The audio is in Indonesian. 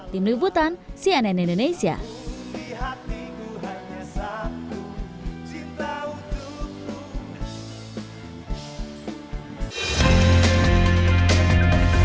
tim liputan cnn indonesia